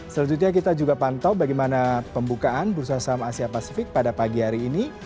selanjutnya kita juga pantau bagaimana pembukaan bursa saham asia pasifik pada pagi hari ini